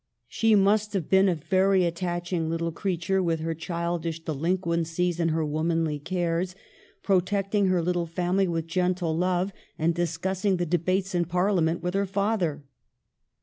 She must have been a very attaching little creature, with her childish delinquencies and her womanly cares ; protecting her little family with gentle love, and discussing the debates in Parliament with her father.